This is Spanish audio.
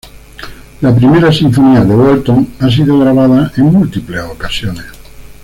La Primera Sinfonía de Walton ha sido grabada en múltiples ocasiones.